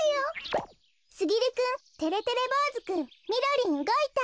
すぎるくんてれてれぼうずくんみろりんうごいた。